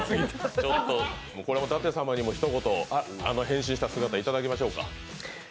これも舘様にもひと言、変身した姿にいただきましょうか。